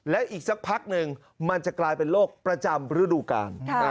และอีกสักพักหนึ่งมันจะกลายเป็นโรคประจำฤดูกาล